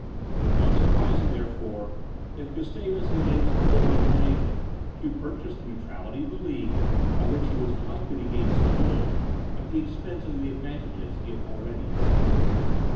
It was not surprising, therefore, if Gustavus evinced little inclination to purchase the neutrality of the League, by which he was likely to gain so little, at the expense of the advantages he had already obtained.